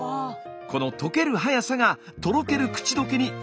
この溶けるはやさがとろける口溶けにつながるんです。